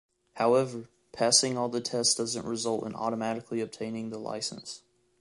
However, passing all tests doesn't result in automatically obtaining the license.